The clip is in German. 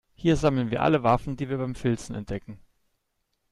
Hier sammeln wir alle Waffen, die wir beim Filzen entdecken.